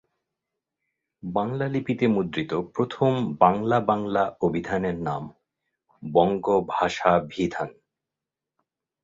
বাংলালিপিতে মুদ্রিত প্রথম বাংলা-বাংলা অভিধানের নাম বঙ্গভাষাভিধান।